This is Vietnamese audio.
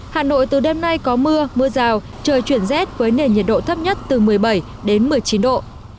hà nội từ đêm nay có mưa mưa rào trời chuyển rét với nền nhiệt độ thấp nhất từ một mươi bảy đến một mươi chín độ